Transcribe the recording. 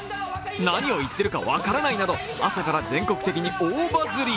何を言っているか分からないなど、朝から全国的に大バズリ。